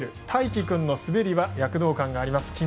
大輝君の滑りは躍動感があります。